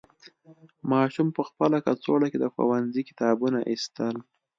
ماشوم په خپل کڅوړه کې د ښوونځي کتابونه ایستل.